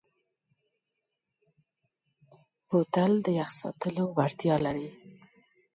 بوتل د یخ ساتلو وړتیا لري.